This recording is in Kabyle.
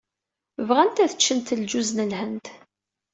Bɣant ad ččent lǧuz n Lhend.